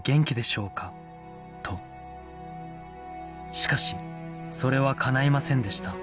しかしそれはかないませんでした